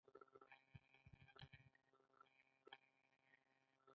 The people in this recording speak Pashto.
انسان تول شي پۀ ګفتار د خپلې ژبې